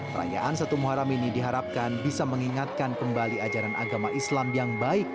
perayaan satu muharam ini diharapkan bisa mengingatkan kembali ajaran agama islam yang baik